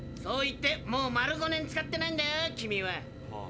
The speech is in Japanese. そう言ってもう丸５年使ってないんだよ君は。